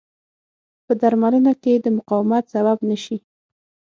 په درملنه کې د مقاومت سبب نه شي.